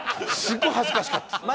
すごい恥ずかしかった。